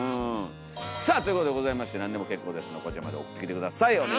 さあということでございまして何でも結構ですのでこちらまで送ってきて下さい。